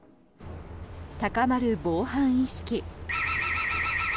高まる防犯意識。